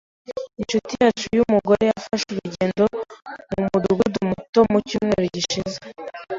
Inshuti yacu yumugore yafashe urugendo mumudugudu muto mucyumweru gishize.